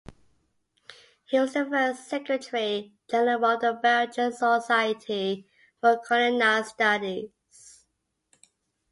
He was the first secretary general of the Belgian Society for Colonial Studies.